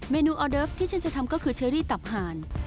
นูออเดิฟที่ฉันจะทำก็คือเชอรี่ตับหาน